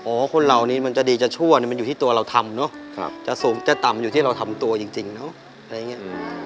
โอ้คนเหล่านี้มันจะดีจะชั่วมันอยู่ที่ตัวเราทำเนอะจะสูงจะต่ำอยู่ที่เราทำตัวจริงเนอะ